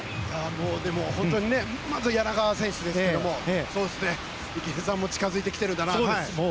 本当にまずは柳川選手ですけれども池江さんも近づいてきてるんだな。